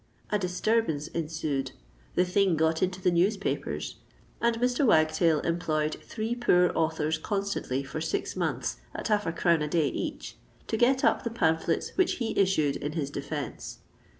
A disturbance ensued—the thing got into the newspapers—and Mr. Wagtail employed three poor authors constantly, for six months, at half a crown a day each, to get up the pamphlets which he issued in his defence.